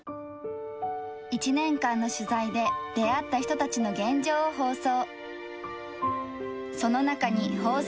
１年間の取材で出会った人たちの現状を放送。